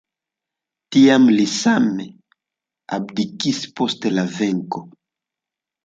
Tiam li same abdikis post la venko.